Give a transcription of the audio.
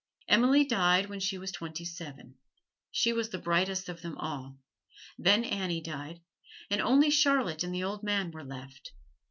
Emily died when she was twenty seven. She was the brightest of them all; then Annie died, and only Charlotte and the old man were left.